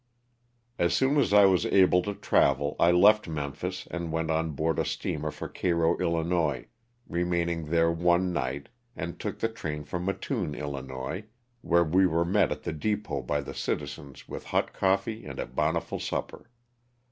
As soon as I was able to travel I left Memphis and went on board a steamer for Cairo, III., remaining there one night, then took the train for Mattoon, 111., where we were met at the depot by the citizens with hot coffee and a bountiful supper.